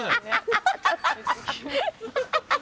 ハハハハ！